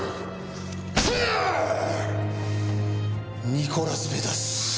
ニコラス・ペタス。